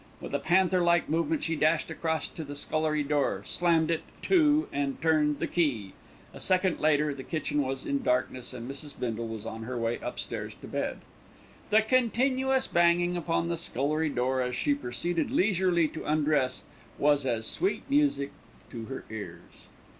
With a panther like movement she dashed across to the scullery door, slammed it to and turned the key. A second later the kitchen was in darkness, and Mrs. Bindle was on her way upstairs to bed. The continuous banging upon the scullery door as she proceeded leisurely to undress was as sweet music to her ears.